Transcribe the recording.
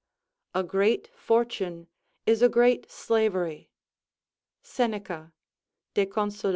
["A great fortune is a great slavery." Seneca, De Consol.